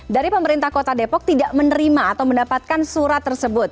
dari pemerintah kota depok tidak menerima atau mendapatkan surat tersebut